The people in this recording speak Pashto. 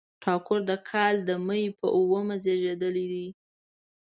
ټاګور د کال د مۍ په اوومه زېږېدلی دی.